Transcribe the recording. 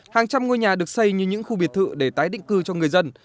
hàng trăm ngôi nhà được xây như những khu biệt thự để tái định cư cho người dân